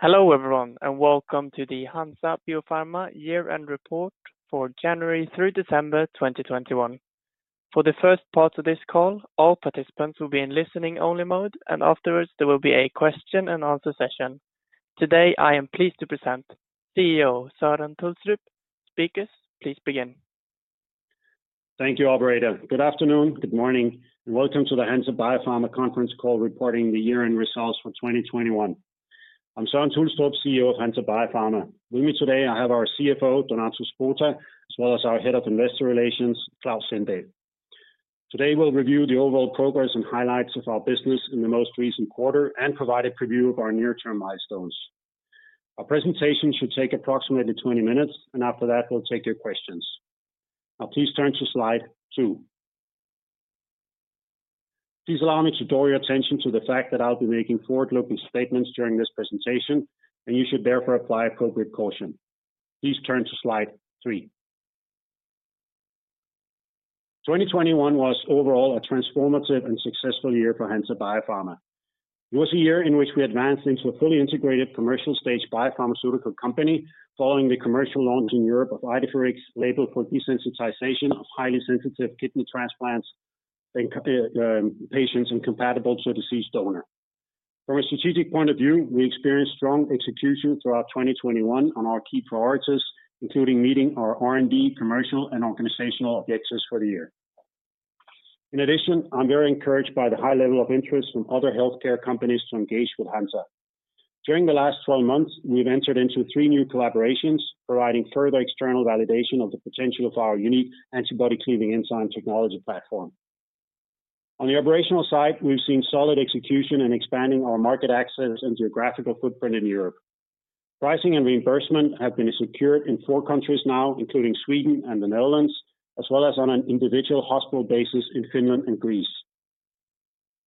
Hello everyone and welcome to the Hansa Biopharma year-end report for January through December 2021. For the first part of this call, all participants will be in listening only mode, and afterwards there will be a question and answer session. Today, I am pleased to present CEO Søren Tulstrup. Speakers, please begin. Thank you, operator. Good afternoon, good morning, and welcome to the Hansa Biopharma conference call reporting the year-end results for 2021. I'm Søren Tulstrup, CEO of Hansa Biopharma. With me today, I have our CFO, Donato Spota, as well as our Head of Investor Relations, Emanuel Björne. Today, we'll review the overall progress and highlights of our business in the most recent quarter and provide a preview of our near-term milestones. Our presentation should take approximately 20 minutes, and after that, we'll take your questions. Now please turn to slide two. Please allow me to draw your attention to the fact that I'll be making forward-looking statements during this presentation, and you should therefore apply appropriate caution. Please turn to slide three. 2021 was overall a transformative and successful year for Hansa Biopharma. It was a year in which we advanced into a fully integrated commercial stage biopharmaceutical company, following the commercial launch in Europe of Idefirix labeled for desensitization of highly sensitized kidney transplant patients incompatible to a deceased donor. From a strategic point of view, we experienced strong execution throughout 2021 on our key priorities, including meeting our R&D, commercial, and organizational objectives for the year. In addition, I'm very encouraged by the high level of interest from other healthcare companies to engage with Hansa. During the last 12 months, we've entered into three new collaborations, providing further external validation of the potential of our unique antibody-cleaving enzyme technology platform. On the operational side, we've seen solid execution in expanding our market access and geographical footprint in Europe. Pricing and reimbursement have been secured in four countries now, including Sweden and the Netherlands, as well as on an individual hospital basis in Finland and Greece.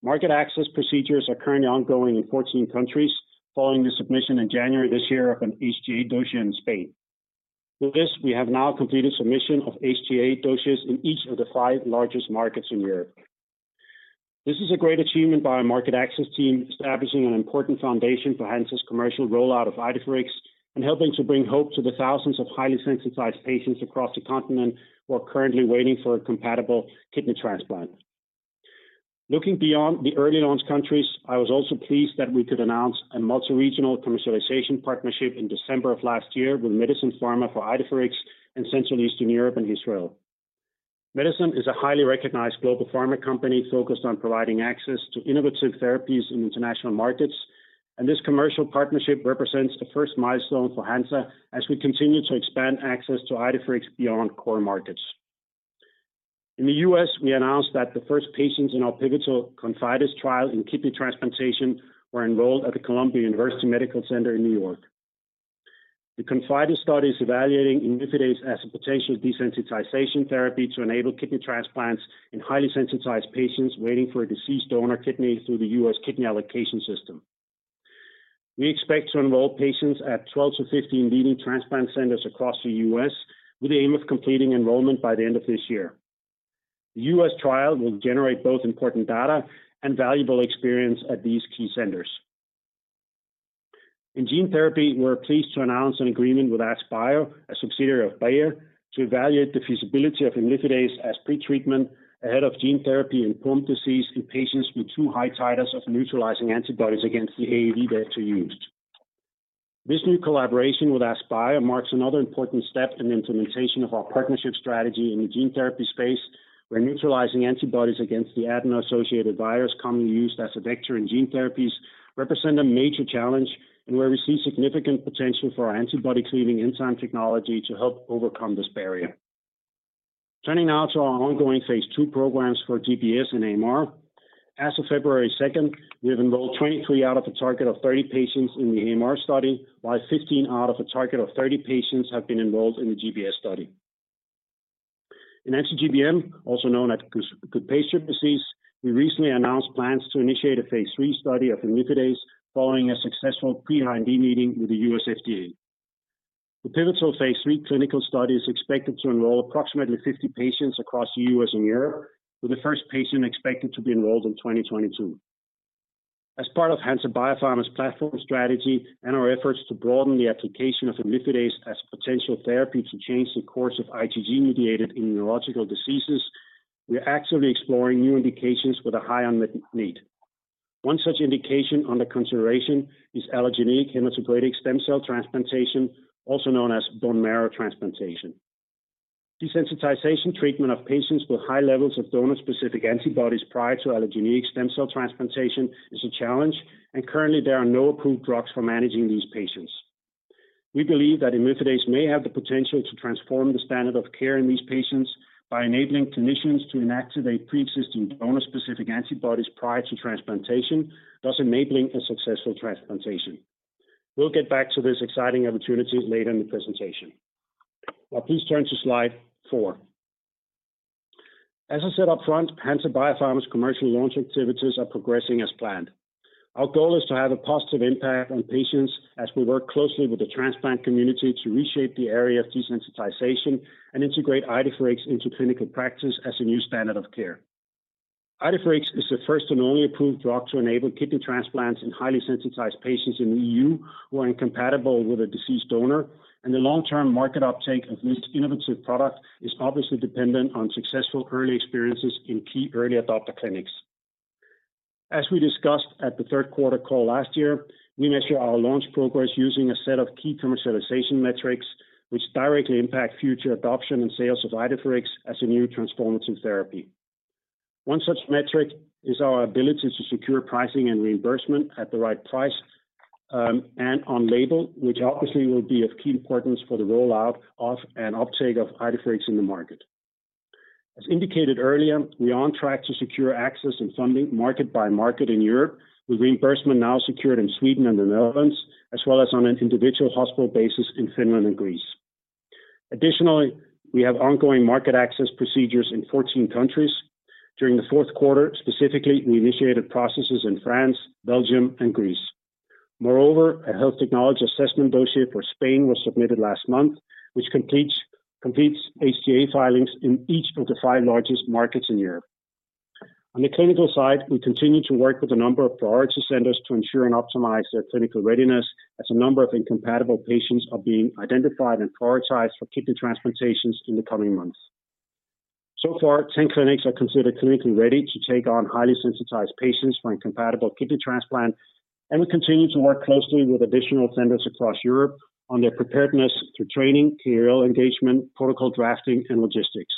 Market access procedures are currently ongoing in 14 countries following the submission in January this year of an HTA dossier in Spain. With this, we have now completed submission of HTA dossiers in each of the five largest markets in Europe. This is a great achievement by our market access team, establishing an important foundation for Hansa's commercial rollout of Idefirix and helping to bring hope to the thousands of highly sensitized patients across the continent who are currently waiting for a compatible kidney transplant. Looking beyond the early launch countries, I was also pleased that we could announce a multi-regional commercialization partnership in December of last year with Medison Pharma for Idefirix in Central Eastern Europe and Israel. Medison is a highly recognized global pharma company focused on providing access to innovative therapies in international markets, and this commercial partnership represents the first milestone for Hansa as we continue to expand access to Idefirix beyond core markets. In the U.S., we announced that the first patients in our pivotal ConfIdeS trial in kidney transplantation were enrolled at the Columbia University Irving Medical Center in New York. The ConfIdeS study is evaluating imlifidase as a potential desensitization therapy to enable kidney transplants in highly sensitized patients waiting for a deceased donor kidney through the U.S. Kidney Allocation System. We expect to enroll patients at 12-15 leading transplant centers across the U.S. with the aim of completing enrollment by the end of this year. The U.S. trial will generate both important data and valuable experience at these key centers. In gene therapy, we're pleased to announce an agreement with AskBio, a subsidiary of Bayer, to evaluate the feasibility of imlifidase as pre-treatment ahead of gene therapy in Pompe disease in patients with too high titers of neutralizing antibodies against the AAV vector used. This new collaboration with AskBio marks another important step in the implementation of our partnership strategy in the gene therapy space, where neutralizing antibodies against the adeno-associated virus commonly used as a vector in gene therapies represent a major challenge, and where we see significant potential for our antibody cleaving enzyme technology to help overcome this barrier. Turning now to our ongoing phase II programs for GBS and AMR. As of February second, we have enrolled 23 out of a target of 30 patients in the AMR study, while 15 out of a target of 30 patients have been enrolled in the GBS study. In anti-GBM, also known as Goodpasture disease, we recently announced plans to initiate a phase III study of imlifidase following a successful pre-IND meeting with the U.S. FDA. The pivotal phase III clinical study is expected to enroll approximately 50 patients across the U.S. and Europe, with the first patient expected to be enrolled in 2022. As part of Hansa Biopharma's platform strategy and our efforts to broaden the application of imlifidase as potential therapy to change the course of IgG-mediated immunological diseases, we are actively exploring new indications with a high unmet need. One such indication under consideration is allogeneic hematopoietic stem cell transplantation, also known as bone marrow transplantation. Desensitization treatment of patients with high levels of donor-specific antibodies prior to allogeneic stem cell transplantation is a challenge, and currently there are no approved drugs for managing these patients. We believe that imlifidase may have the potential to transform the standard of care in these patients by enabling clinicians to inactivate pre-existing donor-specific antibodies prior to transplantation, thus enabling a successful transplantation. We'll get back to this exciting opportunity later in the presentation. Now please turn to slide four. As I said up front, Hansa Biopharma's commercial launch activities are progressing as planned. Our goal is to have a positive impact on patients as we work closely with the transplant community to reshape the area of desensitization and integrate Idefirix into clinical practice as a new standard of care. Idefirix is the first and only approved drug to enable kidney transplants in highly sensitized patients in the EU who are incompatible with a deceased donor, and the long-term market uptake of this innovative product is obviously dependent on successful early experiences in key early adopter clinics. As we discussed at the Q3 call last year, we measure our launch progress using a set of key commercialization metrics which directly impact future adoption and sales of Idefirix as a new transformative therapy. One such metric is our ability to secure pricing and reimbursement at the right price, and on label, which obviously will be of key importance for the rollout and uptake of Idefirix in the market. As indicated earlier, we are on track to secure access and funding market by market in Europe, with reimbursement now secured in Sweden and the Netherlands, as well as on an individual hospital basis in Finland and Greece. Additionally, we have ongoing market access procedures in 14 countries. During the Q4, specifically, we initiated processes in France, Belgium, and Greece. Moreover, a health technology assessment dossier for Spain was submitted last month, which completes HTA filings in each of the five largest markets in Europe. On the clinical side, we continue to work with a number of priority centers to ensure and optimize their clinical readiness as a number of incompatible patients are being identified and prioritized for kidney transplantations in the coming months. So far, 10 clinics are considered clinically ready to take on highly sensitized patients for incompatible kidney transplant, and we continue to work closely with additional centers across Europe on their preparedness through training, KOL engagement, protocol drafting, and logistics.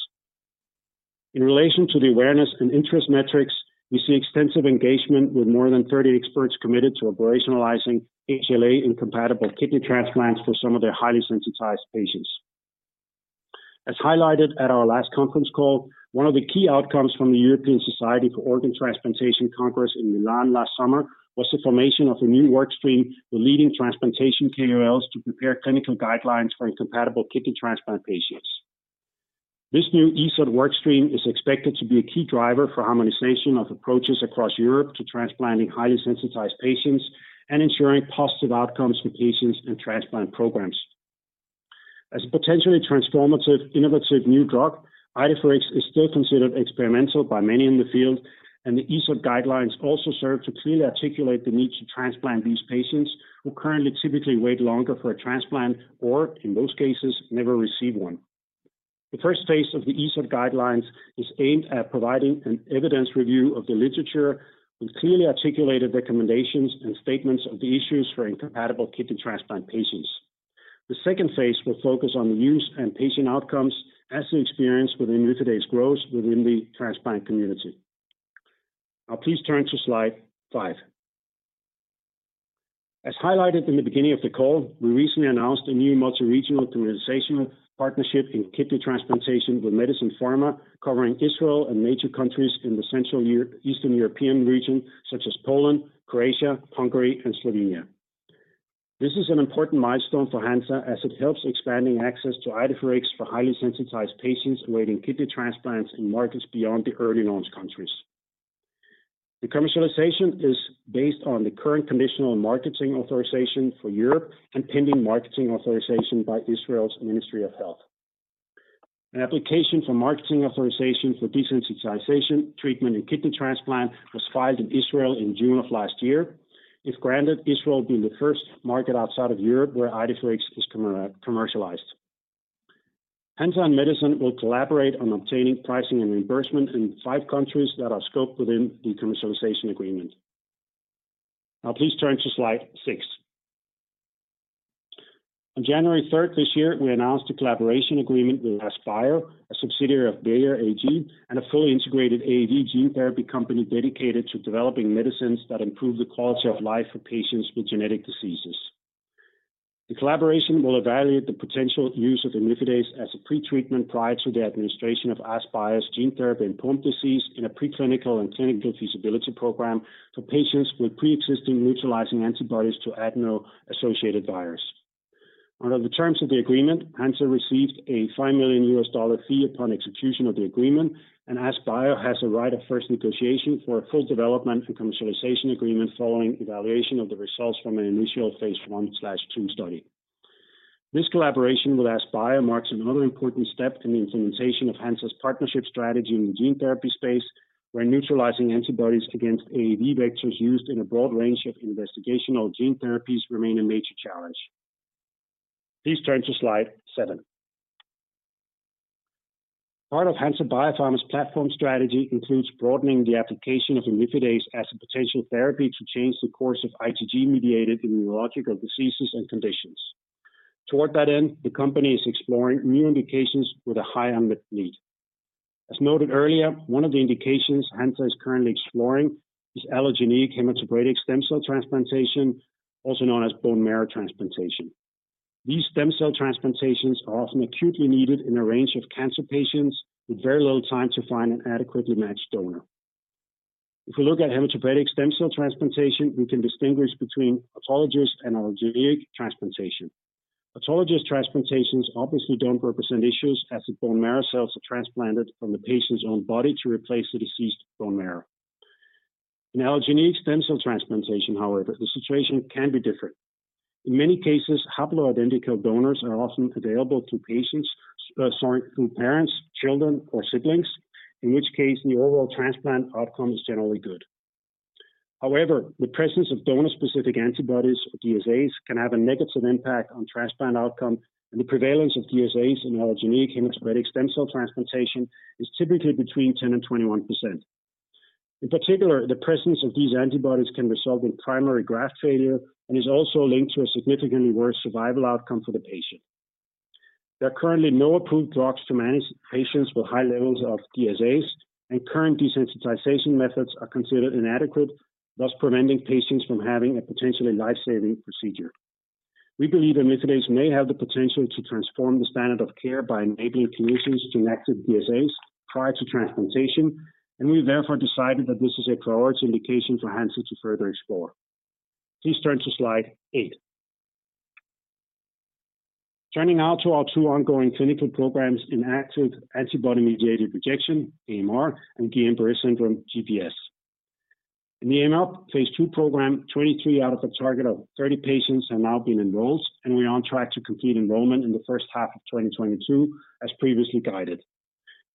In relation to the awareness and interest metrics, we see extensive engagement with more than 30 experts committed to operationalizing HLA incompatible kidney transplants for some of their highly sensitized patients. As highlighted at our last conference call, one of the key outcomes from the European Society for Organ Transplantation Congress in Milan last summer was the formation of a new workstream with leading transplantation KOLs to prepare clinical guidelines for incompatible kidney transplant patients. This new ESOT workstream is expected to be a key driver for harmonization of approaches across Europe to transplanting highly sensitized patients and ensuring positive outcomes for patients in transplant programs. As a potentially transformative innovative new drug, Idefirix is still considered experimental by many in the field, and the ESOT guidelines also serve to clearly articulate the need to transplant these patients who currently typically wait longer for a transplant or, in most cases, never receive one. The first phase of the ESOT guidelines is aimed at providing an evidence review of the literature with clearly articulated recommendations and statements of the issues for incompatible kidney transplant patients. The second phase will focus on the use and patient outcomes as they experience with imlifidase use within the transplant community. Now please turn to slide five. As highlighted in the beginning of the call, we recently announced a new multi-regional commercialization partnership in kidney transplantation with Medison Pharma, covering Israel and major countries in the Central and Eastern European region, such as Poland, Croatia, Hungary, and Slovenia. This is an important milestone for Hansa as it helps expanding access to Idefirix for highly sensitized patients awaiting kidney transplants in markets beyond the early launch countries. The commercialization is based on the current Conditional Marketing Authorization for Europe and pending marketing authorization by Israel's Ministry of Health. An application for marketing authorization for desensitization treatment and kidney transplant was filed in Israel in June of last year. If granted, Israel will be the first market outside of Europe where Idefirix is commercialized. Hansa and Medison Pharma will collaborate on obtaining pricing and reimbursement in five countries that are scoped within the commercialization agreement. Now please turn to slide six. On January 3 this year, we announced a collaboration agreement with AskBio, a subsidiary of Bayer AG and a fully integrated AAV gene therapy company dedicated to developing medicines that improve the quality of life for patients with genetic diseases. The collaboration will evaluate the potential use of imlifidase as a pretreatment prior to the administration of AskBio's gene therapy in Pompe disease in a preclinical and clinical feasibility program for patients with preexisting neutralizing antibodies to adeno-associated virus. Under the terms of the agreement, Hansa received a $5 million fee upon execution of the agreement, and AskBio has a right of first negotiation for a full development and commercialization agreement following evaluation of the results from an initial phase I/II study. This collaboration with AskBio marks another important step in the implementation of Hansa's partnership strategy in the gene therapy space, where neutralizing antibodies against AAV vectors used in a broad range of investigational gene therapies remain a major challenge. Please turn to slide seven. Part of Hansa Biopharma's platform strategy includes broadening the application of imlifidase as a potential therapy to change the course of IgG-mediated immunological diseases and conditions. Toward that end, the company is exploring new indications with a high unmet need. As noted earlier, one of the indications Hansa is currently exploring is allogeneic hematopoietic stem cell transplantation, also known as bone marrow transplantation. These stem cell transplantations are often acutely needed in a range of cancer patients with very little time to find an adequately matched donor. If we look at hematopoietic stem cell transplantation, we can distinguish between autologous and allogeneic transplantation. Autologous transplantations obviously don't represent issues as the bone marrow cells are transplanted from the patient's own body to replace the deceased bone marrow. In allogeneic stem cell transplantation, however, the situation can be different. In many cases, haploidentical donors are often available to patients, through parents, children or siblings, in which case the overall transplant outcome is generally good. However, the presence of donor-specific antibodies, or DSAs, can have a negative impact on transplant outcome, and the prevalence of DSAs in allogeneic hematopoietic stem cell transplantation is typically between 10%-21%. In particular, the presence of these antibodies can result in primary graft failure and is also linked to a significantly worse survival outcome for the patient. There are currently no approved drugs to manage patients with high levels of DSAs, and current desensitization methods are considered inadequate, thus preventing patients from having a potentially life-saving procedure. We believe enucadase may have the potential to transform the standard of care by enabling patients with reactive DSAs prior to transplantation, and we therefore decided that this is a priority indication for Hansa to further explore. Please turn to slide eight. Turning now to our two ongoing clinical programs in active antibody-mediated rejection, AMR, and Guillain-Barré syndrome, GBS. In the AMR phase II program, 23 out of a target of 30 patients have now been enrolled, and we are on track to complete enrollment in the first half of 2022, as previously guided.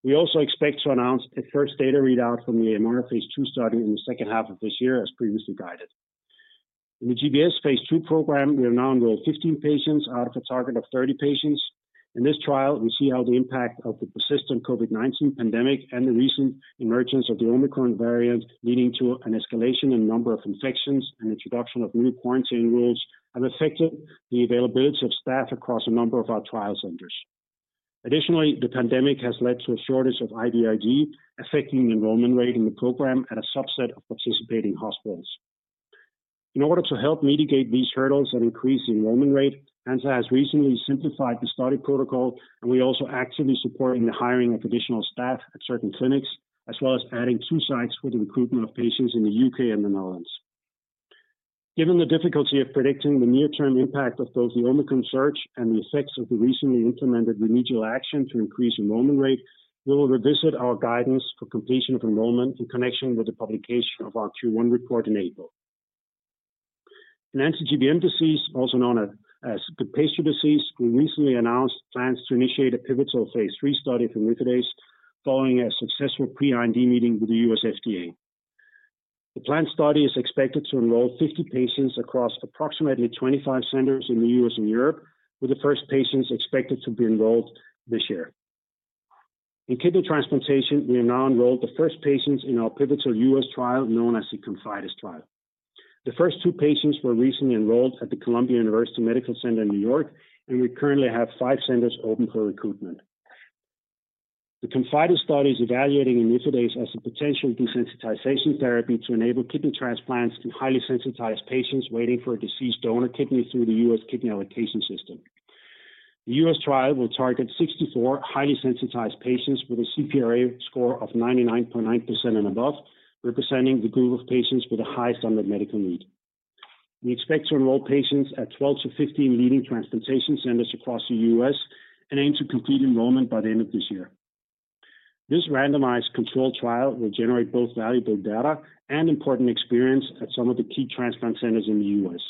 We also expect to announce a first data readout from the AMR phase II study in the second half of this year, as previously guided. In the GBS phase II program, we have now enrolled 15 patients out of a target of 30 patients. In this trial, we see how the impact of the persistent COVID-19 pandemic and the recent emergence of the Omicron variant, leading to an escalation in number of infections and introduction of new quarantine rules, have affected the availability of staff across a number of our trial centers. Additionally, the pandemic has led to a shortage of IVIG, affecting the enrollment rate in the program at a subset of participating hospitals. In order to help mitigate these hurdles and increase the enrollment rate, Hansa has recently simplified the study protocol, and we're also actively supporting the hiring of traditional staff at certain clinics, as well as adding two sites for the recruitment of patients in the U.K. and the Netherlands. Given the difficulty of predicting the near-term impact of both the Omicron surge and the effects of the recently implemented remedial action to increase enrollment rate, we will revisit our guidance for completion of enrollment in connection with the publication of our Q1 report in April. In anti-GBM disease, also known as Goodpasture disease, we recently announced plans to initiate a pivotal phase III study for imlifidase following a successful pre-IND meeting with the U.S. FDA. The planned study is expected to enroll 50 patients across approximately 25 centers in the U.S. and Europe, with the first patients expected to be enrolled this year. In kidney transplantation, we have now enrolled the first patients in our pivotal U.S. trial, known as the ConfIdeS trial. The first two patients were recently enrolled at the Columbia University Irving Medical Center in New York, and we currently have five centers open for recruitment. The ConfIdeS study is evaluating imlifidase as a potential desensitization therapy to enable kidney transplants to highly sensitized patients waiting for a deceased donor kidney through the U.S. Kidney Allocation System. The U.S. trial will target 64 highly sensitized patients with a CPRA score of 99.9% and above, representing the group of patients with the highest unmet medical need. We expect to enroll patients at 12-15 leading transplantation centers across the U.S. and aim to complete enrollment by the end of this year. This randomized controlled trial will generate both valuable data and important experience at some of the key transplant centers in the U.S.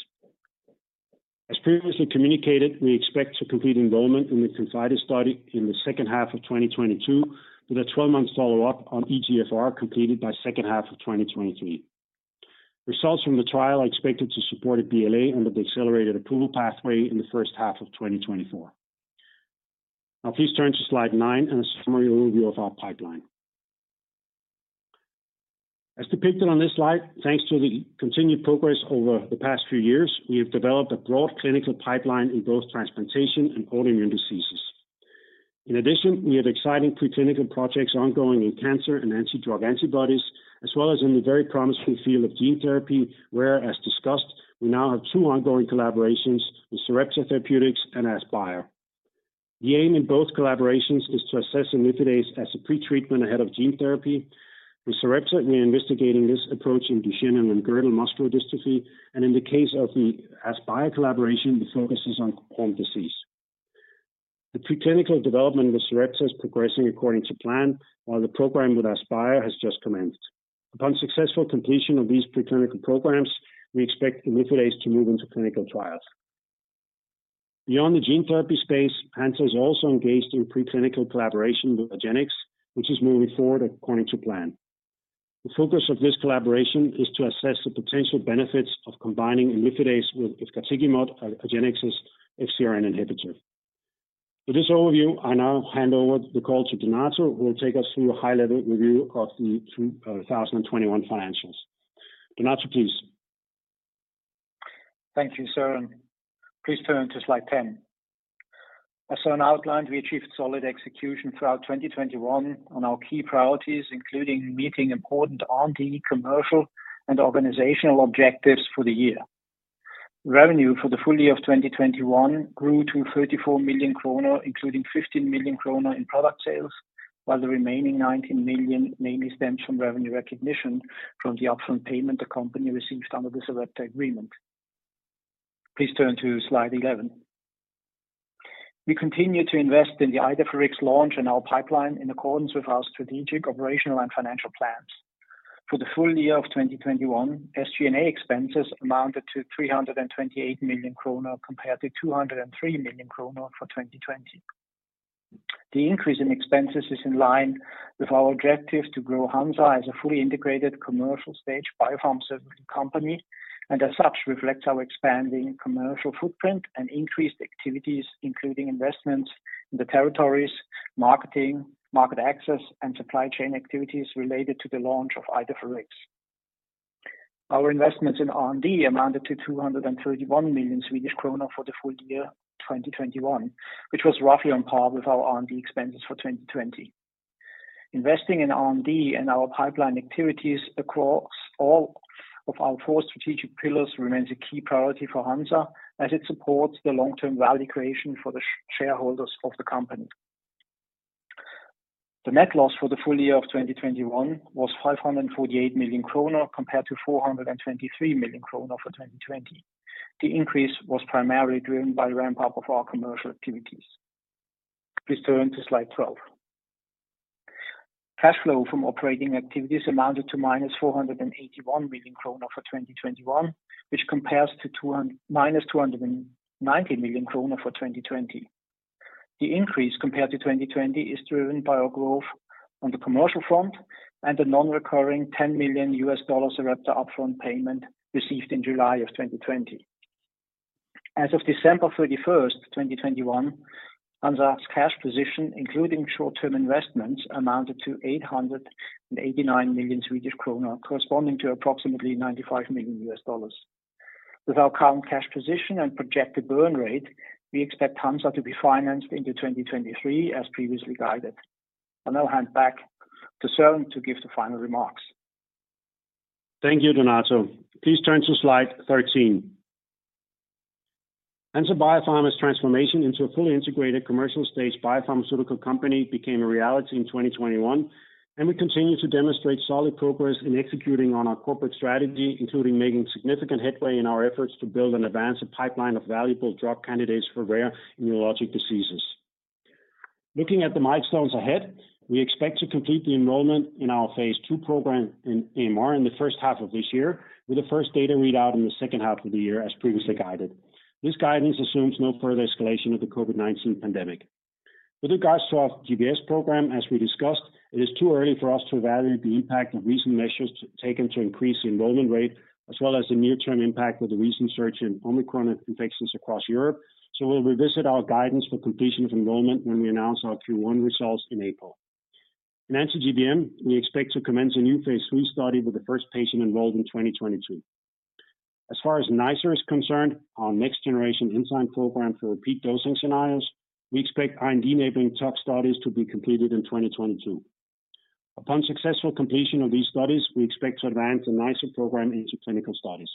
As previously communicated, we expect to complete enrollment in the ConfIdeS study in the second half of 2022, with a 12-month follow-up on eGFR completed by second half of 2023. Results from the trial are expected to support a BLA under the accelerated approval pathway in the first half of 2024. Now please turn to slide nine and a summary overview of our pipeline. As depicted on this slide, thanks to the continued progress over the past few years, we have developed a broad clinical pipeline in both transplantation and autoimmune diseases. In addition, we have exciting preclinical projects ongoing in cancer and anti-drug antibodies, as well as in the very promising field of gene therapy, where, as discussed, we now have two ongoing collaborations with Sarepta Therapeutics and AskBio. The aim in both collaborations is to assess enucadase as a pretreatment ahead of gene therapy. With Sarepta, we are investigating this approach in Duchenne and limb-girdle muscular dystrophy. In the case of the AskBio collaboration, the focus is on Pompe disease. The preclinical development with Sarepta is progressing according to plan, while the program with AskBio has just commenced. Upon successful completion of these preclinical programs, we expect enucadase to move into clinical trials. Beyond the gene therapy space, Hansa is also engaged in preclinical collaboration with Agennix, which is moving forward according to plan. The focus of this collaboration is to assess the potential benefits of combining imlifidase with efgartigimod, Argenx's FcRn inhibitor. With this overview, I now hand over the call to Renato, who will take us through a high-level review of the 2021 financials. Renato, please. Thank you, Søren. Please turn to slide 10. As Søren outlined, we achieved solid execution throughout 2021 on our key priorities, including meeting important R&D, commercial, and organizational objectives for the year. Revenue for the full year of 2021 grew to 34 million kronor, including 15 million kronor in product sales, while the remaining 19 million mainly stems from revenue recognition from the upfront payment the company received under the Sarepta agreement. Please turn to slide 11. We continue to invest in the Idefirix launch in our pipeline in accordance with our strategic, operational, and financial plans. For the full year of 2021, SG&A expenses amounted to 328 million kronor, compared to 203 million kronor for 2020. The increase in expenses is in line with our objective to grow Hansa as a fully integrated commercial stage biopharma company, and as such, reflects our expanding commercial footprint and increased activities, including investments in the territories, marketing, market access, and supply chain activities related to the launch of Idefirix. Our investments in R&D amounted to 231 million Swedish kronor for the full year 2021, which was roughly on par with our R&D expenses for 2020. Investing in R&D and our pipeline activities across all of our four strategic pillars remains a key priority for Hansa as it supports the long-term value creation for the shareholders of the company. The net loss for the full year of 2021 was 548 million kronor compared to 423 million kronor for 2020. The increase was primarily driven by ramp-up of our commercial activities. Please turn to slide 12. Cash flow from operating activities amounted to -481 million kronor for 2021, which compares to -290 million kronor for 2020. The increase compared to 2020 is driven by our growth on the commercial front and a non-recurring $10 million Sarepta upfront payment received in July of 2020. As of December 31, 2021, Hansa's cash position, including short-term investments, amounted to 889 million Swedish kronor, corresponding to approximately $95 million. With our current cash position and projected burn rate, we expect Hansa to be financed into 2023 as previously guided. I'll now hand back to Søren to give the final remarks. Thank you, Donato. Please turn to slide 13. Hansa Biopharma's transformation into a fully integrated commercial stage biopharmaceutical company became a reality in 2021, and we continue to demonstrate solid progress in executing on our corporate strategy, including making significant headway in our efforts to build an advanced pipeline of valuable drug candidates for rare neurologic diseases. Looking at the milestones ahead, we expect to complete the enrollment in our phase II program in AMR in the first half of this year, with the first data readout in the second half of the year as previously guided. This guidance assumes no further escalation of the COVID-19 pandemic. With regards to our GBS program, as we discussed, it is too early for us to evaluate the impact of recent measures taken to increase the enrollment rate, as well as the near-term impact with the recent surge in Omicron infections across Europe, so we'll revisit our guidance for completion of enrollment when we announce our Q1 results in April. In anti-GBM, we expect to commence a new phase III study with the first patient enrolled in 2022. As far as NiceR is concerned, our next generation enzyme program for repeat dosing scenarios, we expect R&D-enabling tox studies to be completed in 2022. Upon successful completion of these studies, we expect to advance the NiceR program into clinical studies.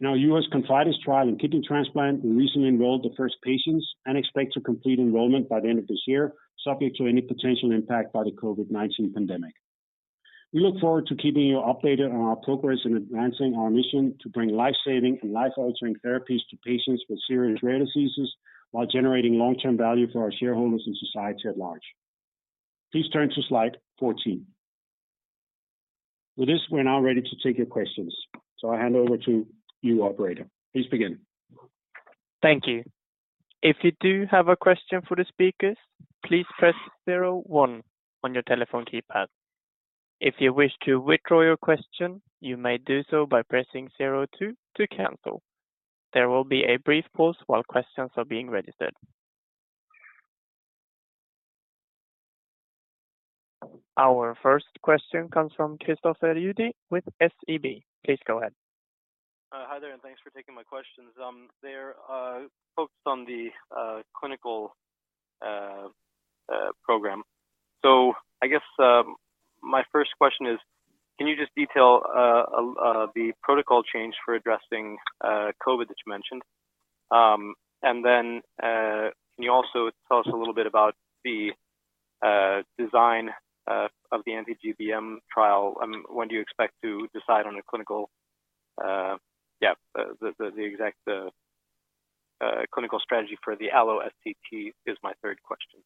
In our U.S. ConfIdeS trial in kidney transplant, we recently enrolled the first patients and expect to complete enrollment by the end of this year, subject to any potential impact by the COVID-19 pandemic. We look forward to keeping you updated on our progress in advancing our mission to bring life-saving and life-altering therapies to patients with serious rare diseases while generating long-term value for our shareholders and society at large. Please turn to slide 14. With this, we're now ready to take your questions. I hand over to you, operator. Please begin. Thank you. If you do have a question for the speakers, please press zero one on your telephone keypad. If you wish to withdraw your question, you may do so by pressing zero two to cancel. There will be a brief pause while questions are being registered. Our first question comes from Christopher Uhde with SEB. Please go ahead. Hi there, and thanks for taking my questions. They're focused on the clinical program. I guess my first question is, can you just detail the protocol change for addressing COVID that you mentioned? And then, can you also tell us a little bit about the design of the anti-GBM trial? When do you expect to decide on the exact clinical strategy for the Allo-SCT? That's my third question.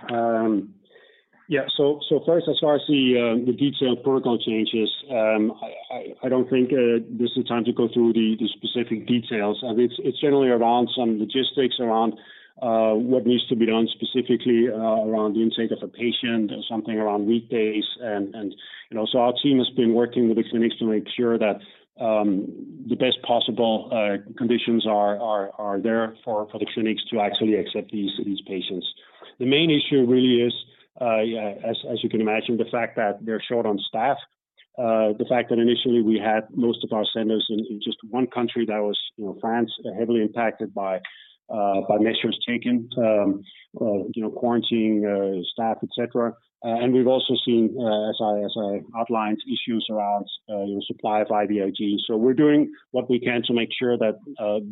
Thanks. Yeah. First, as far as the detailed protocol changes, I don't think this is the time to go through the specific details. I mean, it's generally around some logistics around what needs to be done specifically around the intake of a patient, something around weekdays. You know, our team has been working with the clinics to make sure that the best possible conditions are there for the clinics to actually accept these patients. The main issue really is, as you can imagine, the fact that they're short on staff, the fact that initially we had most of our centers in just one country that was, you know, France, heavily impacted by measures taken, you know, quarantining staff, et cetera. We've also seen, as I outlined, issues around, you know, supply of IVIGs. We're doing what we can to make sure that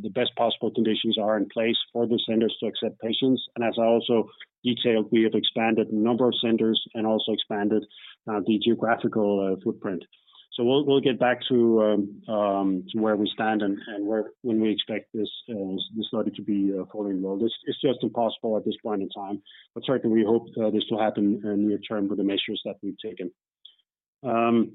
the best possible conditions are in place for the centers to accept patients. As I also detailed, we have expanded the number of centers and also expanded the geographical footprint. We'll get back to where we stand and where we expect this study to be fully enrolled. It's just impossible at this point in time. Certainly, we hope this will happen in near term with the measures that we've taken. On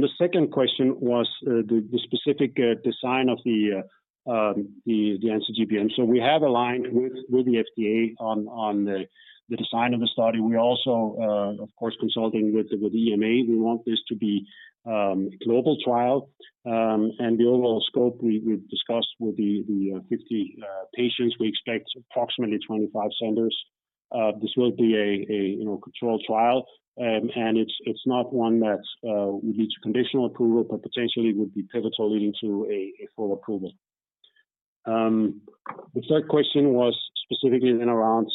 the second question was the specific design of the anti-GBM. We have aligned with the FDA on the design of the study. We're also of course consulting with EMA. We want this to be a global trial. The overall scope we've discussed with the 50 patients. We expect approximately 25 centers. This will be a you know controlled trial. It's not one that would lead to conditional approval, but potentially would be pivotal leading to a full approval. The third question was specifically then around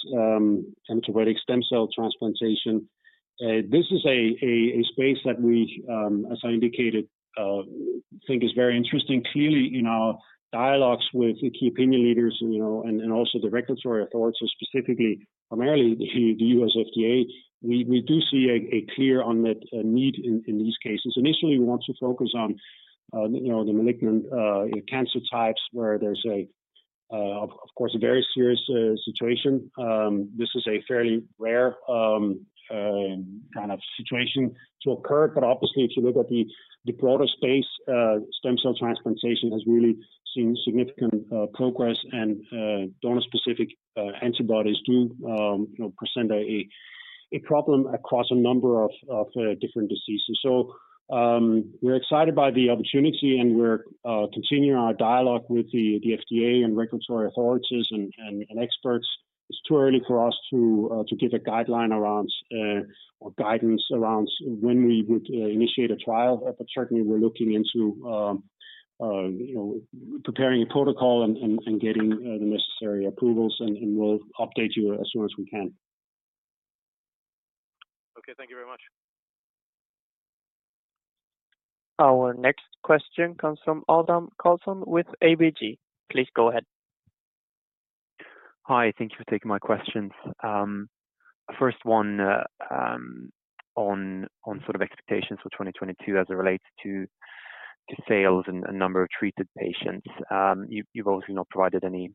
hematopoietic stem cell transplantation. This is a space that we, as I indicated, think is very interesting. Clearly, in our dialogues with key opinion leaders, you know, and also the regulatory authorities, specifically, primarily the U.S. FDA, we do see a clear unmet need in these cases. Initially, we want to focus on, you know, the malignant cancer types where there's, of course, a very serious situation. This is a fairly rare kind of situation to occur. Obviously, if you look at the broader space, stem cell transplantation has really seen significant progress. Donor-specific antibodies do, you know, present a problem across a number of different diseases. We're excited by the opportunity, and we're continuing our dialogue with the FDA and regulatory authorities and experts. It's too early for us to give a guideline around or guidance around when we would initiate a trial. Certainly we're looking into, you know, preparing a protocol and getting the necessary approvals, and we'll update you as soon as we can. Okay. Thank you very much. Our next question comes from Adam Karlsson with ABG. Please go ahead. Hi. Thank you for taking my questions. First one, on sort of expectations for 2022 as it relates to sales and number of treated patients. You've obviously not provided any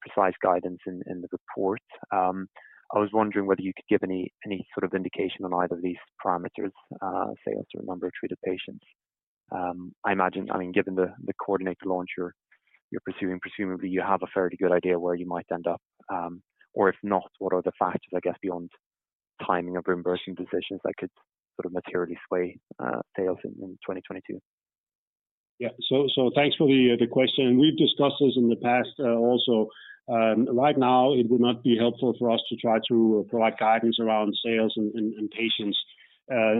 precise guidance in the report. I was wondering whether you could give any sort of indication on either of these parameters, sales or number of treated patients. I imagine, I mean, given the coordinated launch you're pursuing, presumably you have a fairly good idea where you might end up. Or if not, what are the factors, I guess, beyond timing of reimbursement decisions that could sort of materially sway sales in 2022? Yeah. Thanks for the question. We've discussed this in the past, also. Right now, it would not be helpful for us to try to provide guidance around sales and patients.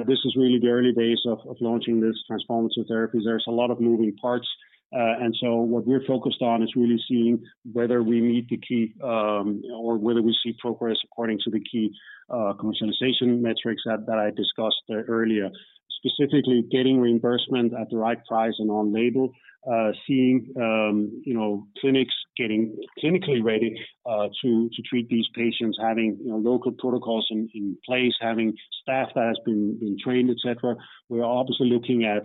This is really the early days of launching this transformative therapies. There's a lot of moving parts. What we're focused on is really seeing whether we meet the key, or whether we see progress according to the key, commercialization metrics that I discussed earlier. Specifically getting reimbursement at the right price and on label. Seeing, you know, clinics getting clinically ready, to treat these patients. Having, you know, local protocols in place, having staff that has been trained, et cetera. We're obviously looking at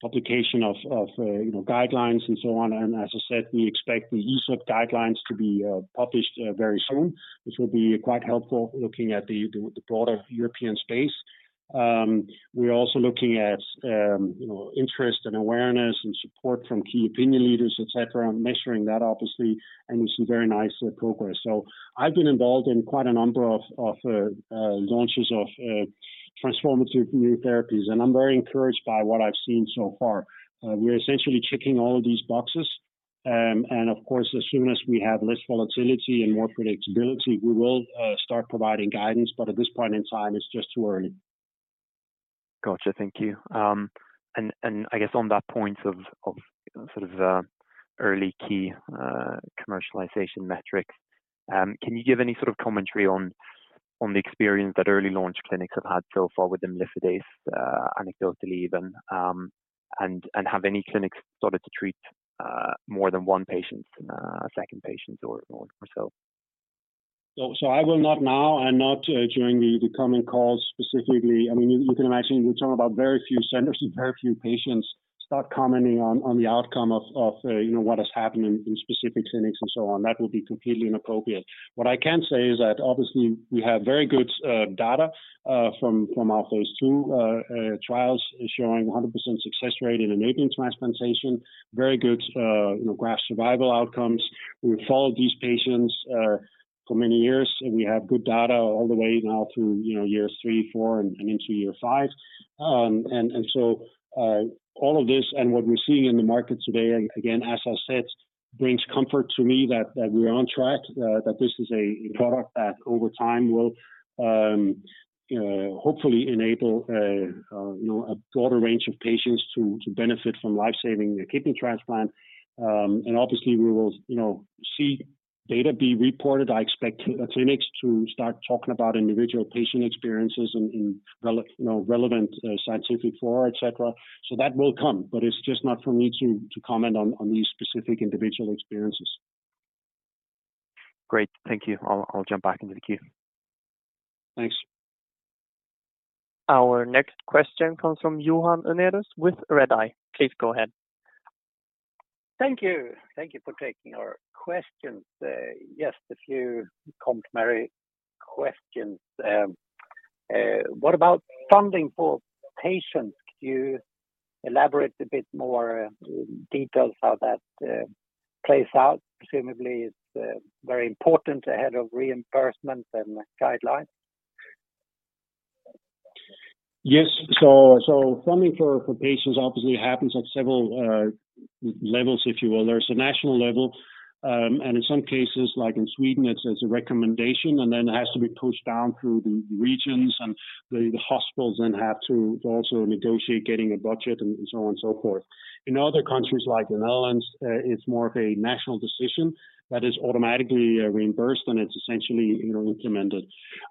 publication of, you know, guidelines and so on. As I said, we expect the ESOT guidelines to be published very soon, which will be quite helpful looking at the broader European space. We're also looking at, you know, interest and awareness and support from key opinion leaders, et cetera, and measuring that obviously. We see very nice progress. I've been involved in quite a number of launches of transformative new therapies, and I'm very encouraged by what I've seen so far. We're essentially checking all of these boxes. Of course, as soon as we have less volatility and more predictability, we will start providing guidance, but at this point in time, it's just too early. Gotcha. Thank you. I guess on that point of sort of early key commercialization metrics, can you give any sort of commentary on the experience that early launch clinics have had so far with imlifidase, anecdotally even? Have any clinics started to treat more than one patient, a second patient or so? I will not now and not during the coming calls specifically start commenting on the outcome of you know, what has happened in specific clinics and so on, that will be completely inappropriate. What I can say is that obviously we have very good data from our phase II trials showing 100% success rate in an AMR transplantation. Very good you know, graft survival outcomes. We followed these patients for many years, and we have good data all the way now through you know, years three, four, and into year five. All of this and what we're seeing in the market today, again, as I said, brings comfort to me that we're on track. That this is a product that over time will hopefully enable you know a broader range of patients to benefit from life-saving kidney transplant. Obviously, we will, you know, see data be reported. I expect clinics to start talking about individual patient experiences in you know relevant scientific fora, et cetera. That will come, but it's just not for me to comment on these specific individual experiences. Great. Thank you. I'll jump back into the queue. Thanks. Our next question comes from Johan Unnérus with Redeye. Please go ahead. Thank you. Thank you for taking our questions. Yes, a few complementary questions. What about funding for patients? Could you elaborate a bit more in detail how that plays out? Presumably it's very important ahead of reimbursements and guidelines. Yes. Funding for patients obviously happens at several levels, if you will. There's a national level, and in some cases, like in Sweden, it's a recommendation, and then it has to be pushed down through the regions and the hospitals then have to also negotiate getting a budget and so on and so forth. In other countries, like the Netherlands, it's more of a national decision that is automatically reimbursed, and it's essentially, you know, implemented.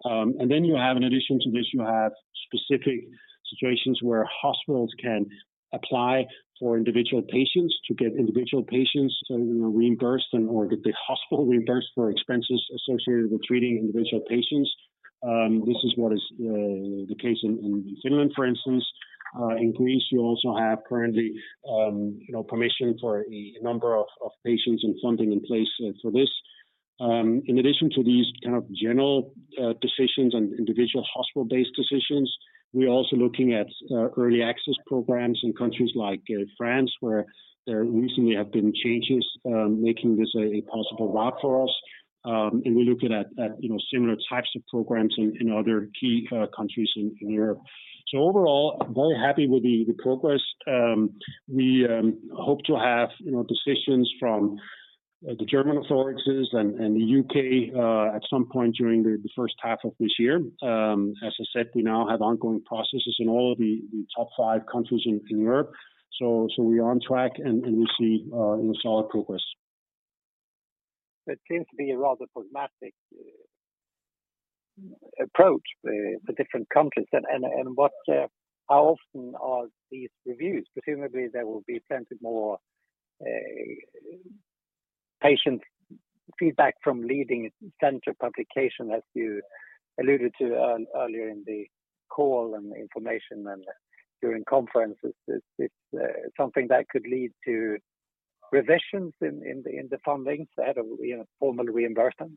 In addition to this, you have specific situations where hospitals can apply for individual patients to get individual patients reimbursed and/or get the hospital reimbursed for expenses associated with treating individual patients. This is what is the case in Finland, for instance. In Greece, you also have currently, you know, permission for a number of patients and funding in place, for this. In addition to these kind of general decisions and individual hospital-based decisions, we're also looking at early access programs in countries like France, where there recently have been changes, making this a possible route for us. We're looking at, you know, similar types of programs in other key countries in Europe. Overall, very happy with the progress. We hope to have, you know, decisions from the German authorities and the U.K., at some point during the first half of this year. As I said, we now have ongoing processes in all of the top five countries in Europe. We are on track and we see you know solid progress. It seems to be a rather pragmatic approach, the different countries. What, how often are these reviews? Presumably, there will be plenty more patient feedback from leading center publication, as you alluded to earlier in the call and information and during conferences. Is there something that could lead to revisions in the fundings ahead of, you know, formal reimbursement?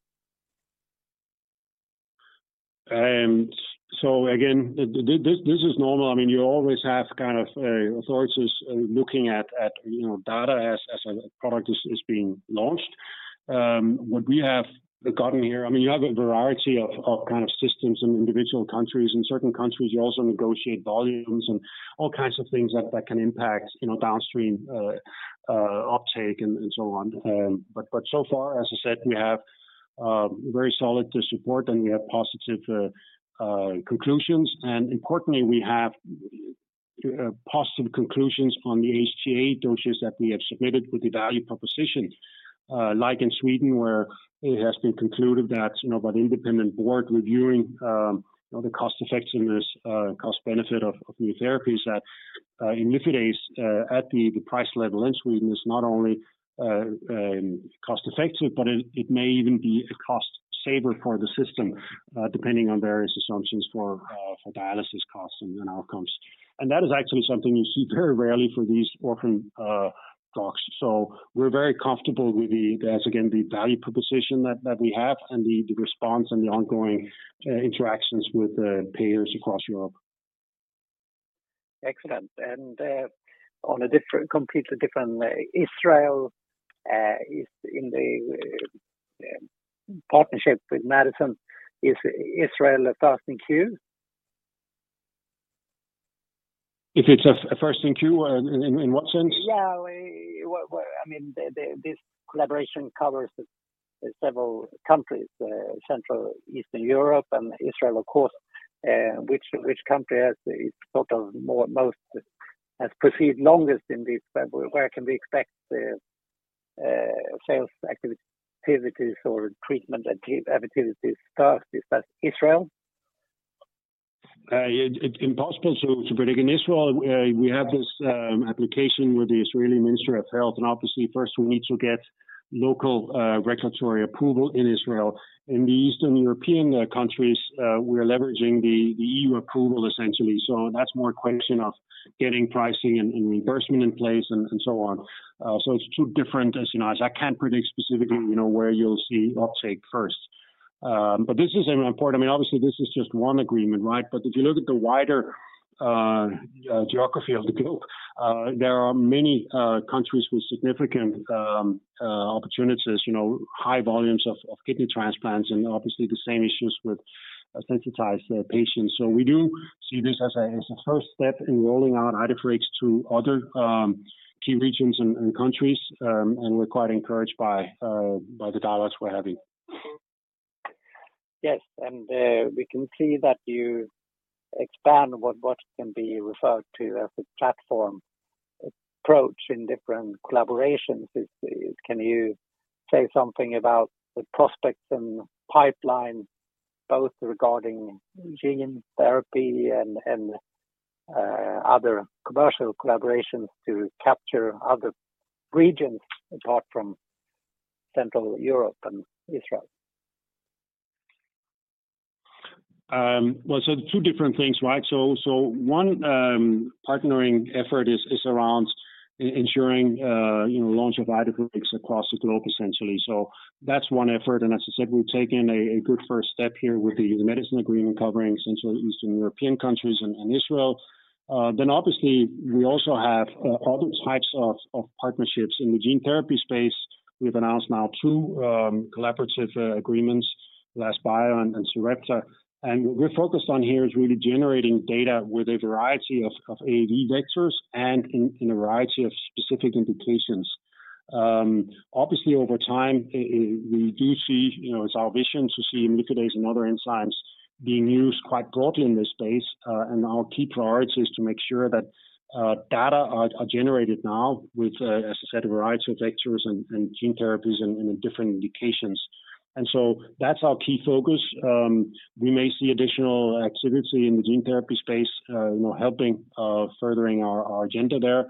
This is normal. I mean, you always have kind of authorities looking at you know data as a product is being launched. What we have gotten here, I mean, you have a variety of kind of systems in individual countries. In certain countries, you also negotiate volumes and all kinds of things that can impact you know downstream uptake and so on. So far, as I said, we have very solid support, and we have positive conclusions. Importantly, we have positive conclusions on the HTA dossiers that we have submitted with the value proposition. Like in Sweden, where it has been concluded that, you know, by the independent board reviewing, you know, the cost-effectiveness, cost benefit of new therapies that imlifidase at the price level in Sweden is not only cost-effective, but it may even be a cost saver for the system, depending on various assumptions for dialysis costs and outcomes. That is actually something you see very rarely for these orphan drugs. We're very comfortable with the, that's again, the value proposition that we have and the response and the ongoing interactions with payers across Europe. Excellent. On a completely different, Israel is in the partnership with Medison. Is Israel first in queue? If it's a first in queue, in what sense? Yeah. Well, I mean, this collaboration covers several countries, Central, Eastern Europe and Israel, of course. Which country has proceeded longest in this? Where can we expect the sales activities or treatment activities start? Is that Israel? It's impossible to predict. In Israel, we have this application with the Israel Ministry of Health, and obviously first we need to get local regulatory approval in Israel. In the Eastern European countries, we are leveraging the EU approval essentially. That's more a question of getting pricing and reimbursement in place and so on. It's two different scenarios. I can't predict specifically, you know, where you'll see uptake first. But this is an important, I mean, obviously this is just one agreement, right? If you look at the wider geography of the globe, there are many countries with significant opportunities, you know, high volumes of kidney transplants, and obviously the same issues with sensitized patients. We do see this as a first step in rolling out IDHRA2 to other key regions and countries. We're quite encouraged by the dialogues we're having. Yes. We can see that you expand what can be referred to as a platform approach in different collaborations. Can you say something about the prospects and pipeline, both regarding gene therapy and other commercial collaborations to capture other regions apart from Central Europe and Israel? Well, two different things, right? One partnering effort is around ensuring, you know, launch of Idefirix across the globe essentially. That's one effort. As I said, we've taken a good first step here with the Medison agreement covering Central and Eastern European countries and Israel. Obviously we also have other types of partnerships. In the gene therapy space, we've announced now two collaborative agreements, AskBio and Sarepta. What we're focused on here is really generating data with a variety of AAV vectors and in a variety of specific indications. Obviously over time we do see, you know, it's our vision to see imlifidase and other enzymes being used quite broadly in this space. Our key priority is to make sure that data are generated now with, as I said, a variety of vectors and gene therapies in different indications. That's our key focus. We may see additional activity in the gene therapy space, you know, furthering our agenda there.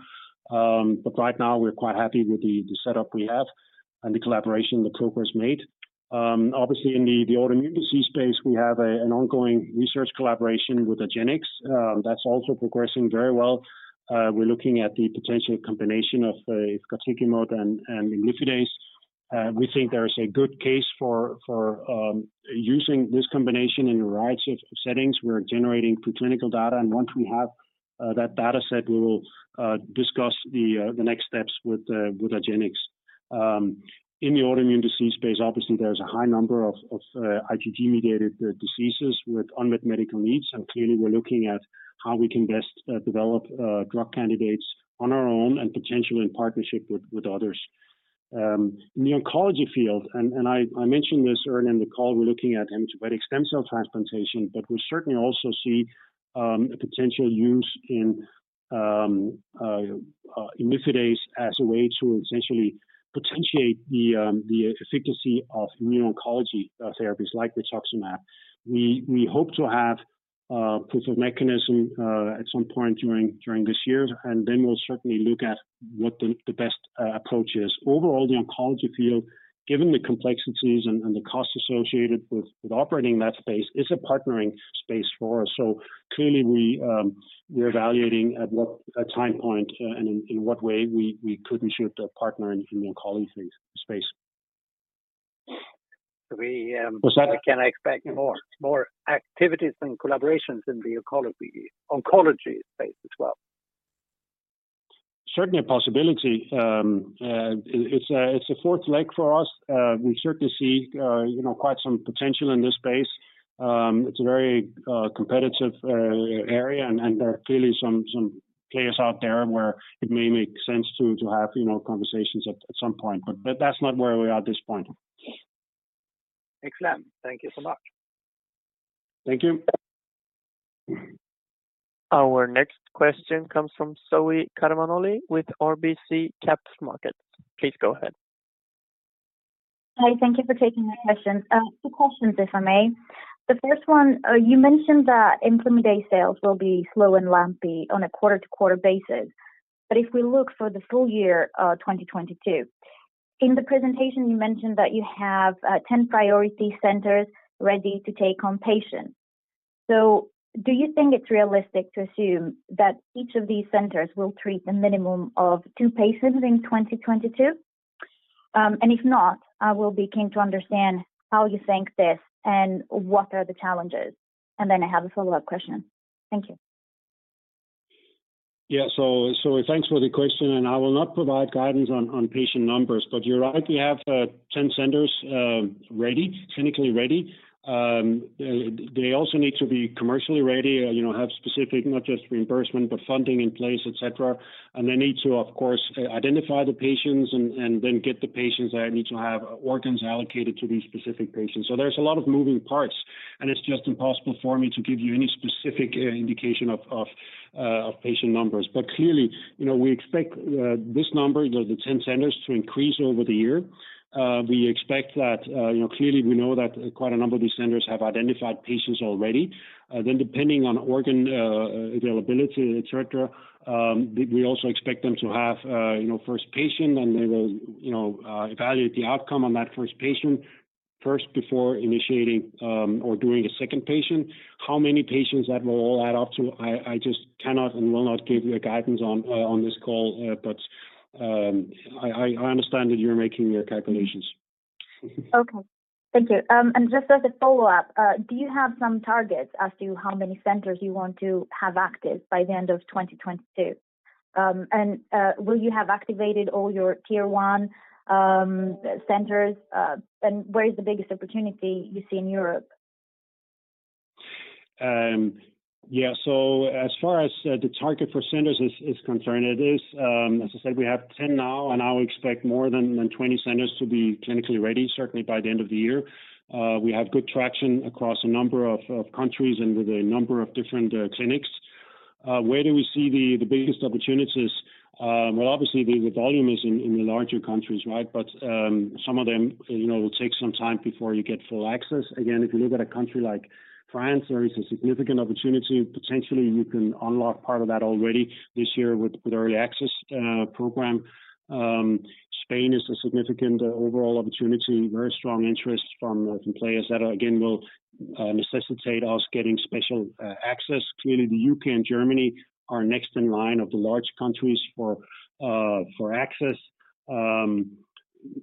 Right now we're quite happy with the setup we have and the progress made. Obviously in the autoimmune disease space, we have an ongoing research collaboration with Argenx, that's also progressing very well. We're looking at the potential combination of efgartigimod and imlifidase. We think there is a good case for using this combination in a variety of settings. We're generating preclinical data, and once we have that data set, we will discuss the next steps with Argenx. In the autoimmune disease space, obviously there's a high number of IgG-mediated diseases with unmet medical needs, and clearly we're looking at how we can best develop drug candidates on our own and potentially in partnership with others. In the oncology field, I mentioned this earlier in the call, we're looking at hematopoietic stem cell transplantation, but we certainly also see a potential use in imlifidase as a way to essentially potentiate the efficacy of immuno-oncology therapies like Rituximab. We hope to have proof of mechanism at some point during this year, and then we'll certainly look at what the best approach is. Overall, the oncology field, given the complexities and the cost associated with operating that space, is a partnering space for us. Clearly we're evaluating at what time point and in what way we could and should partner in the oncology space. We Was that? Can I expect more activities and collaborations in the oncology space as well? Certainly a possibility. It's a fourth leg for us. We certainly see, you know, quite some potential in this space. It's a very competitive area, and there are clearly some players out there where it may make sense to have, you know, conversations at some point, but that's not where we are at this point. Excellent. Thank you so much. Thank you. Our next question comes from Zoe Karamanoli with RBC Capital Markets. Please go ahead. Hi. Thank you for taking my questions. Two questions, if I may. The first one, you mentioned that imlifidase sales will be slow and lumpy on a quarter-to-quarter basis. If we look for the full year, 2022, in the presentation, you mentioned that you have 10 priority centers ready to take on patients. Do you think it's realistic to assume that each of these centers will treat a minimum of two patients in 2022? If not, I will be keen to understand how you think this and what are the challenges. I have a follow-up question. Thank you. Yeah. Zoe, thanks for the question, and I will not provide guidance on patient numbers. You're right, we have 10 centers ready, clinically ready. They also need to be commercially ready, you know, have specific not just reimbursement, but funding in place, et cetera. They need to, of course, identify the patients and then get the patients that need to have organs allocated to these specific patients. There's a lot of moving parts, and it's just impossible for me to give you any specific indication of patient numbers. Clearly, you know, we expect this number, you know, the 10 centers to increase over the year. We expect that, you know, clearly we know that quite a number of these centers have identified patients already. Depending on organ availability, et cetera, we also expect them to have, you know, first patient and they will, you know, evaluate the outcome on that first patient first before initiating or doing a second patient. How many patients that will all add up to, I just cannot and will not give you a guidance on this call. I understand that you're making your calculations. Okay. Thank you. Just as a follow-up, do you have some targets as to how many centers you want to have active by the end of 2022? Will you have activated all your tier one centers? Where is the biggest opportunity you see in Europe? Yeah. As far as the target for centers is concerned, it is, as I said, we have 10 now, and I'll expect more than 20 centers to be clinically ready, certainly by the end of the year. We have good traction across a number of countries and with a number of different clinics. Where do we see the biggest opportunities? Well, obviously the volume is in the larger countries, right? Some of them, you know, will take some time before you get full access. Again, if you look at a country like France, there is a significant opportunity. Potentially, you can unlock part of that already this year with the early access program. Spain is a significant overall opportunity. Very strong interest from players that again will necessitate us getting special access. Clearly, the U.K. and Germany are next in line of the large countries for access.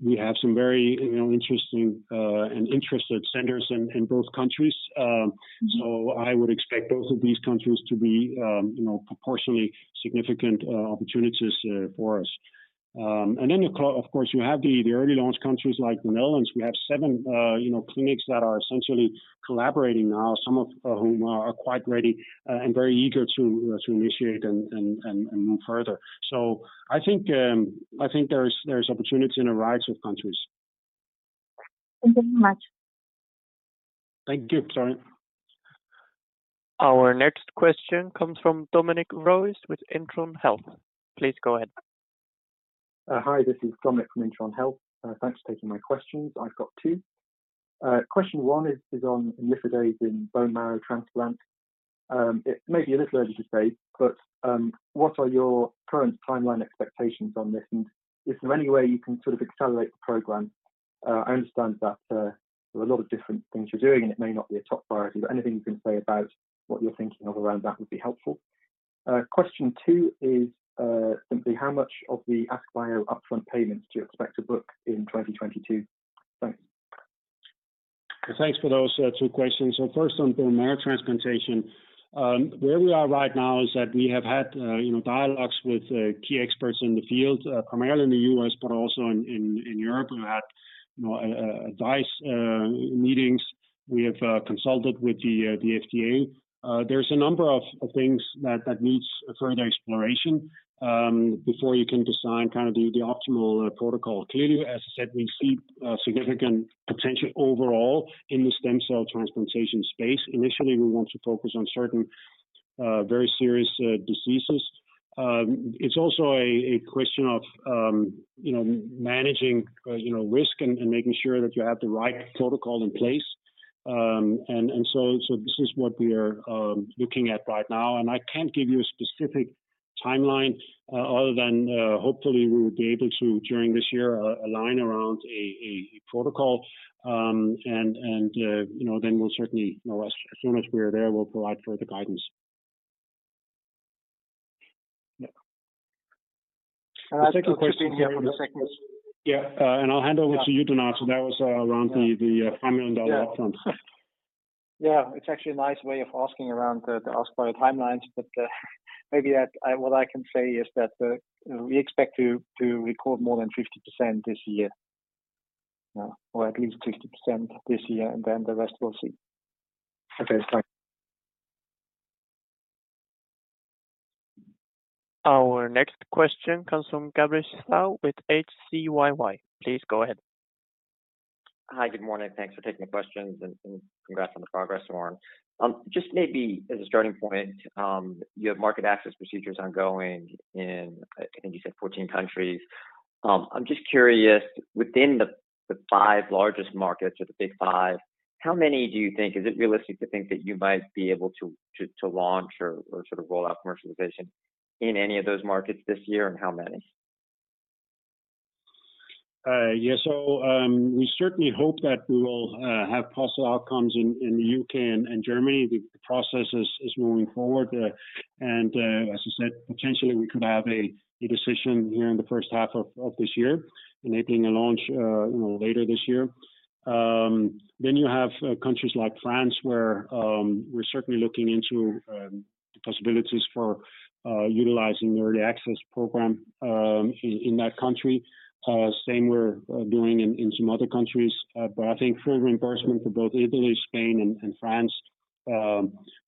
We have some very, you know, interesting and interested centers in both countries. So I would expect both of these countries to be, you know, proportionally significant opportunities for us. Then of course, you have the early launch countries like the Netherlands. We have seven, you know, clinics that are essentially collaborating now, some of whom are quite ready and very eager to initiate and move further. I think there's opportunity in a variety of countries. Thank you very much. Thank you. Sorry. Our next question comes from Dominic Rose with Intron Health. Please go ahead. Hi, this is Dominic Rose from Intron Health. Thanks for taking my questions. I've got two. Question one is on imlifidase in bone marrow transplant. It may be a little early to say, but what are your current timeline expectations on this? Is there any way you can sort of accelerate the program? I understand that there are a lot of different things you're doing, and it may not be a top priority, but anything you can say about what you're thinking of around that would be helpful. Question two is simply how much of the AskBio upfront payments do you expect to book in 2022? Thanks. Thanks for those two questions. First on bone marrow transplantation. Where we are right now is that we have had you know dialogues with key experts in the field primarily in the U.S. but also in Europe. We've had you know advice meetings. We have consulted with the FDA. There's a number of things that needs further exploration before you can design kind of the optimal protocol. Clearly, as I said, we see significant potential overall in the stem cell transplantation space. Initially, we want to focus on certain very serious diseases. It's also a question of you know managing you know risk and making sure that you have the right protocol in place. This is what we are looking at right now. I can't give you a specific timeline, other than hopefully we would be able to, during this year, align around a protocol. You know, then we'll certainly, you know, as soon as we are there, we'll provide further guidance. Yeah. The second question, I'll just jump in here for the second one. I'll hand over to you to answer. That was around the $5 million upfront. Yeah. It's actually a nice way of asking around the AskBio timelines, but what I can say is that we expect to record more than 50% this year. Yeah. Or at least 50% this year, and then the rest we'll see. Okay. Thanks. Our next question comes from Douglas Tsao with H.C. Wainwright & Co.. Please go ahead. Hi. Good morning. Thanks for taking the questions and congrats on the progress, Søren. Just maybe as a starting point, you have market access procedures ongoing in, I think you said 14 countries. I'm just curious, within the five largest markets or the big five, how many do you think. Is it realistic to think that you might be able to launch or sort of roll out commercialization in any of those markets this year? And how many? Yeah. We certainly hope that we will have positive outcomes in the U.K. And Germany. The process is moving forward. As I said, potentially we could have a decision here in the first half of this year, enabling a launch, you know, later this year. Then you have countries like France, where we're certainly looking into the possibilities for utilizing the early access program in that country. Same we're doing in some other countries. I think further reimbursement for both Italy, Spain and France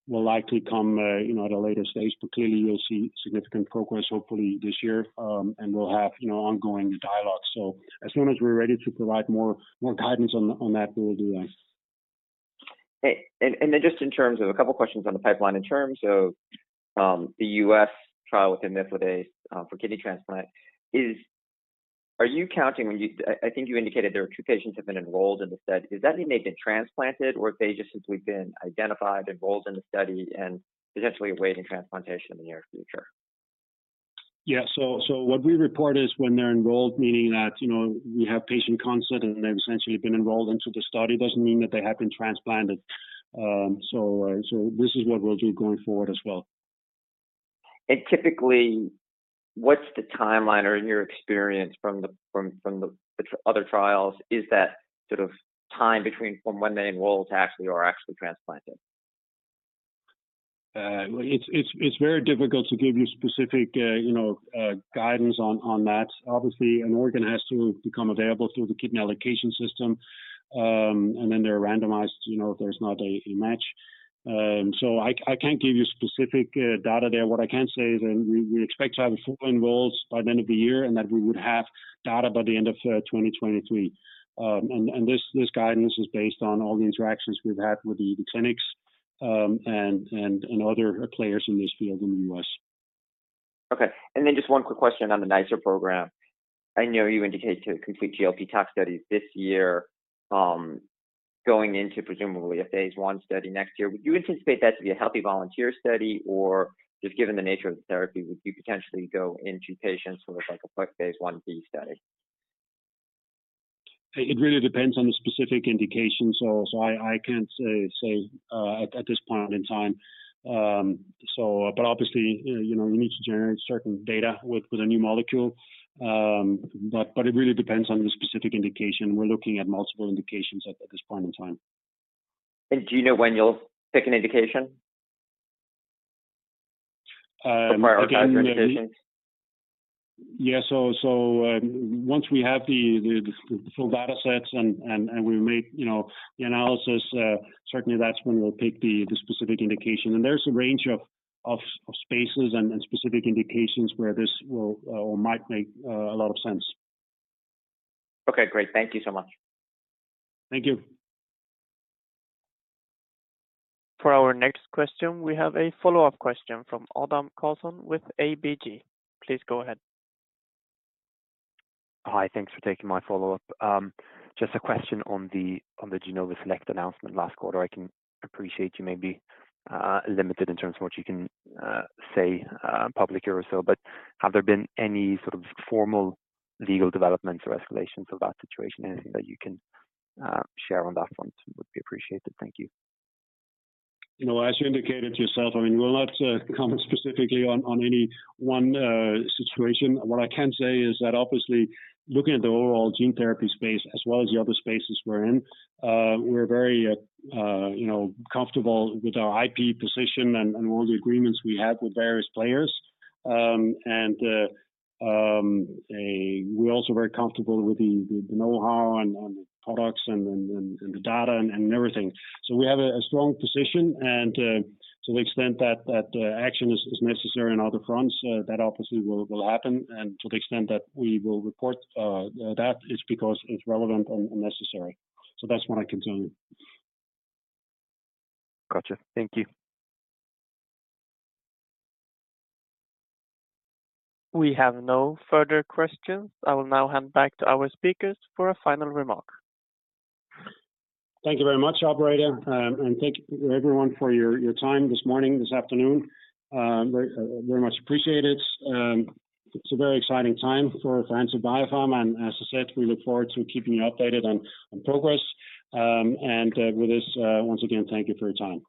will likely come, you know, at a later stage. Clearly you'll see significant progress hopefully this year. We'll have, you know, ongoing dialogues. As soon as we're ready to provide more guidance on that, we will do that. Just in terms of a couple questions on the pipeline. In terms of the U.S. trial with imlifidase for kidney transplant, I think you indicated there are two patients have been enrolled in the study. Does that mean they've been transplanted, or if they just simply been identified, enrolled in the study and potentially awaiting transplantation in the near future? What we report is when they're enrolled, meaning that, you know, we have patient consent, and they've essentially been enrolled into the study. Doesn't mean that they have been transplanted. This is what we'll do going forward as well. Typically, what's the timeline or in your experience from the other trials, is that sort of time between when they enroll to actually transplanted? It's very difficult to give you specific, you know, guidance on that. Obviously, an organ has to become available through the Kidney Allocation System, and then they're randomized, you know, if there's not a match. I can't give you specific data there. What I can say is that we expect to have full enrollment by the end of the year and that we would have data by the end of 2023. This guidance is based on all the interactions we've had with the clinics and other players in this field in the U.S. Okay. Just one quick question on the NiceR program. I know you indicate to complete GLP toxicology studies this year, going into presumably a phase I study next year. Would you anticipate that to be a healthy volunteer study? Or just given the nature of the therapy, would you potentially go into patients with like a quick phase Ib study? It really depends on the specific indication. I can't say at this point in time. Obviously, you know, you need to generate certain data with a new molecule. It really depends on the specific indication. We're looking at multiple indications at this point in time. Do you know when you'll pick an indication? Uh, again- Before Yeah, once we have the full data sets and we make, you know, the analysis, certainly that's when we'll pick the specific indication. There's a range of spaces and specific indications where this will or might make a lot of sense. Okay, great. Thank you so much. Thank you. For our next question, we have a follow-up question from Adam Karlsson with ABG. Please go ahead. Hi. Thanks for taking my follow-up. Just a question on the Genovis select announcement last quarter. I can appreciate you may be limited in terms of what you can say publicly or so. But have there been any sort of formal legal developments or escalations of that situation? Anything that you can share on that front would be appreciated. Thank you. You know, as you indicated yourself, I mean, we'll not comment specifically on any one situation. What I can say is that obviously looking at the overall gene therapy space as well as the other spaces we're in, we're very, you know, comfortable with our IP position and all the agreements we have with various players. We're also very comfortable with the know-how and the products and the data and everything. We have a strong position and to the extent that that action is necessary on other fronts, that obviously will happen. To the extent that we will report, that is because it's relevant and necessary. That's what I can tell you. Gotcha. Thank you. We have no further questions. I will now hand back to our speakers for a final remark. Thank you very much, operator. Thank you everyone for your time this morning, this afternoon. Very much appreciate it. It's a very exciting time for Hansa Biopharma, and as I said, we look forward to keeping you updated on progress. With this, once again, thank you for your time.